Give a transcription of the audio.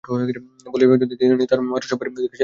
বলিয়া তিনি তাঁহার তিনটি মাত্র সভ্যের দিকে চাহিলেন।